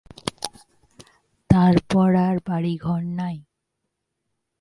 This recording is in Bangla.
তারপর আর বাড়িঘর নাই।